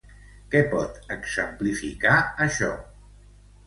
Què pot exemplificar això?